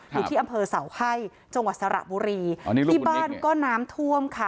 อยู่ที่อำเภอเสาไข้จังหวัดสระบุรีที่บ้านก็น้ำท่วมค่ะ